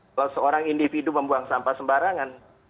kalau seorang individu membuang sampah sembarangan